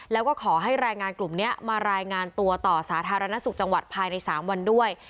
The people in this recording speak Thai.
แล้วก็ขอให้แรงงานกลุ่มนี้มารายงานตัวต่อสาธารณสุขจังหวัดภายใน๓วันด้วย